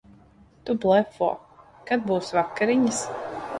Tu blefo. Kad būs vakariņas?